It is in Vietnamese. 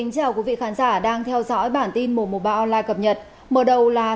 cảm ơn các bạn đã theo dõi